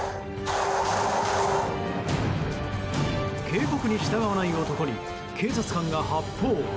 警告に従わない男に警察官が発砲。